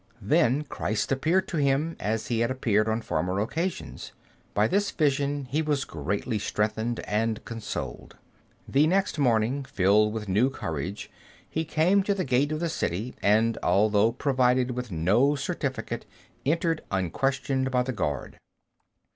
Then Christ appeared to him, as He had appeared on former occasions. By this vision he was greatly strengthened and consoled. The next morning, filled with new courage, he came to the gate of the city, and although provided with no certificate, entered unquestioned by the guard.